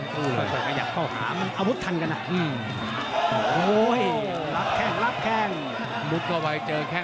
เปลี่ยนครับหลวกลุกละ๕